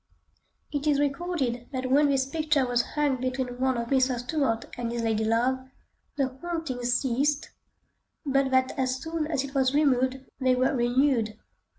It is recorded that when this picture was hung between one of Mr. Stuart and his lady love, the hauntings ceased, but that as soon as it was removed they were renewed.